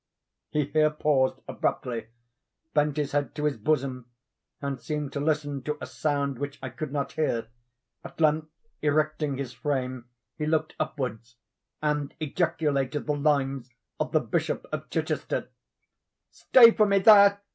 He here paused abruptly, bent his head to his bosom, and seemed to listen to a sound which I could not hear. At length, erecting his frame, he looked upwards, and ejaculated the lines of the Bishop of Chichester: _"Stay for me there!